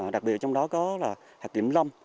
đặc biệt trong đó có hạt kiểm lâm